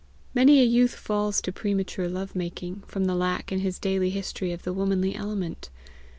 Many a youth falls to premature love making, from the lack in his daily history of the womanly element.